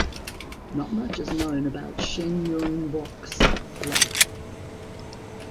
Not much is known about Shin Yun-bok's life.